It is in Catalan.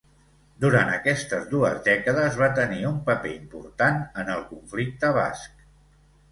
Durant aquestes dues dècades va tenir un paper important en el conflicte basc.